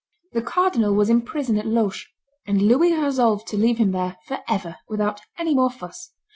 The cardinal was in prison at Loches; and Louis resolved to leave him there forever, without any more fuss.